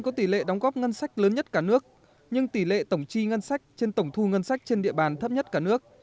có tỷ lệ đóng góp ngân sách lớn nhất cả nước nhưng tỷ lệ tổng chi ngân sách trên tổng thu ngân sách trên địa bàn thấp nhất cả nước